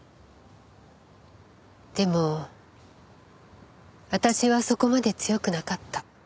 でも私はそこまで強くなかった。